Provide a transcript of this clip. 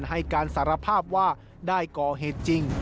ให้การสารภาพว่าได้ก่อเหตุจริง